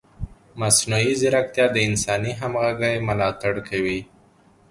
مصنوعي ځیرکتیا د انساني همغږۍ ملاتړ کوي.